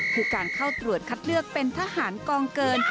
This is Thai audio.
คือการเข้าตรวจคัดเลือกเป็นทหารกองเกิน